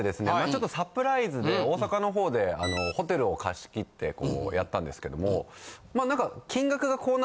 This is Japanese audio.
ちょっとサプライズで大阪の方でホテルを貸し切ってこうやったんですけども。